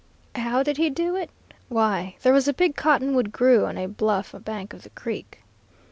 "How did he do it? Why, there was a big cottonwood grew on a bluff bank of the creek.